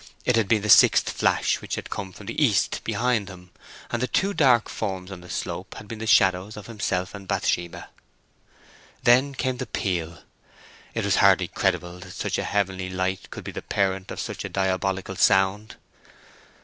It had been the sixth flash which had come from the east behind him, and the two dark forms on the slope had been the shadows of himself and Bathsheba. Then came the peal. It hardly was credible that such a heavenly light could be the parent of such a diabolical sound.